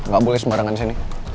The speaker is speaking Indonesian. gak boleh sembarangan disini